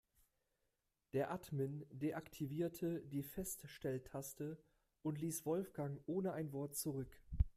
Der Admin deaktivierte die Feststelltaste und ließ Wolfgang ohne ein Wort zurück.